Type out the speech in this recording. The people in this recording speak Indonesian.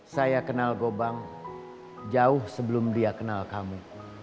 saya kenal gobang jauh sebelum dia kenal kamu